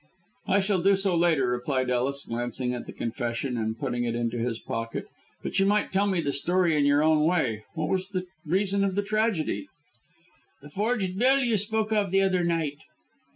"I shall do so later," replied Ellis, glancing at the confession, and putting it into his pocket. "But you might tell me the story in your own way. What was the reason of the tragedy?" "The forged bill you spoke of the other night."